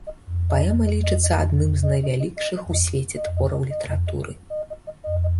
Паэма лічыцца адным з найвялікшых у свеце твораў літаратуры.